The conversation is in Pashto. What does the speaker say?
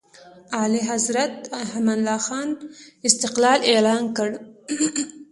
اعلیحضرت امان الله خان استقلال اعلان کړ.